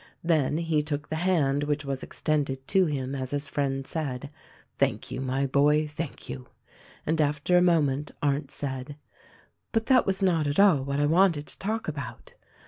Then he took the hand which was extended to him as his friend said, "Thank you, my boy, thank you;" and after a moment Arndt said, "But that was not at all what I wanted to talk about.